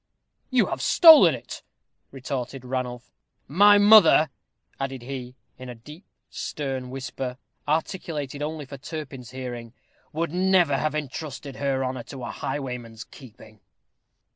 "You have stolen it," retorted Ranulph. "My mother," added he, in a deep, stern whisper, articulated only for Turpin's hearing, "would never have entrusted her honor to a highwayman's keeping."